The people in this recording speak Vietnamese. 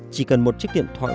chỉ cần một chiếc điện thoại